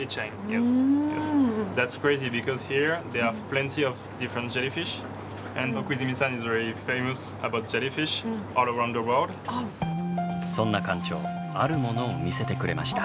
展示されているそんな館長あるものを見せてくれました。